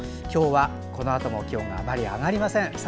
今日は、このあとも気温があまり、上がりません。